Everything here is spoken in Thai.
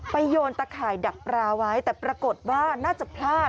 โยนตะข่ายดักปลาไว้แต่ปรากฏว่าน่าจะพลาด